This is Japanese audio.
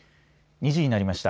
２時になりました。